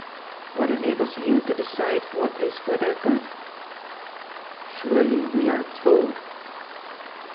"What enables you to decide what is for their good?" "Surely, we are told."